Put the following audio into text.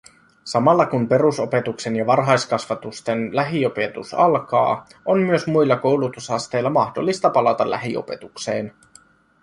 Samalla kun perusopetuksen ja varhaiskasvatusten lähiopetus alkaa, on myös muilla koulutusasteilla mahdollista palata lähiopetukseen.